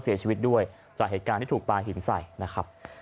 เสียงของหนึ่งในผู้ต้องหานะครับ